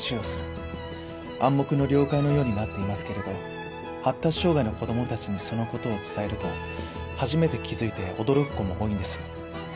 暗黙の了解のようになっていますけれど発達障害の子どもたちにその事を伝えると初めて気づいて驚く子も多いんです。